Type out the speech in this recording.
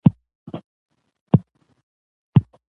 د مېلو پر مهال د خبرو، خندا او یادونو فضا يي.